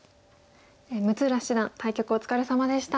六浦七段対局お疲れさまでした。